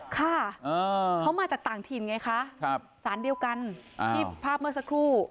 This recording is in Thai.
ค่ะเขามาจากต่างถิ่นไงคะสารเดียวกันที่ภาพเมื่อสักครู่